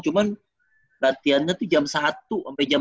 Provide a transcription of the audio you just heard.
cuma latihannya tuh jam satu sampai jam tiga